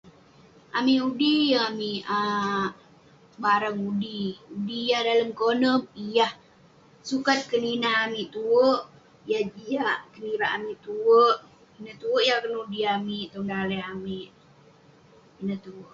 amik undi yeng amik um sebarang undi, undi yah dalem konep yah, sukat keninah amik tuwerk, yah jiak kenirak amik tuwerk..ineh tuwerk yah kenudi amik tong daleh amik, ineh tuwerk..